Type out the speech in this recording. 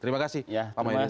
terima kasih pak mahyudin